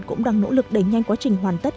cũng đang nỗ lực đẩy nhanh quá trình hoàn tất